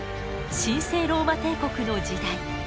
神聖ローマ帝国の時代。